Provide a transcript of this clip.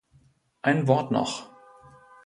Ein Wort noch!